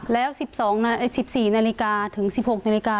แล้ว๑๔นาฬิกาถึง๑๖นาฬิกา